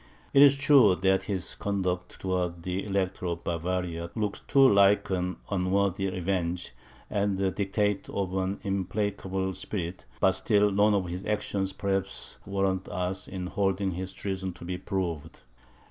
It is true, that his conduct towards the Elector of Bavaria looks too like an unworthy revenge, and the dictates of an implacable spirit; but still, none of his actions perhaps warrant us in holding his treason to be proved.